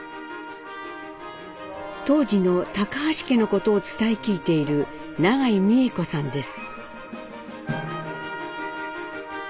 当時の橋家のことを伝え聞いている永井三重子さんです。